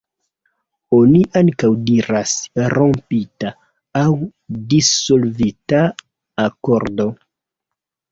Oni ankaŭ diras "rompita", aŭ "dissolvita" akordo.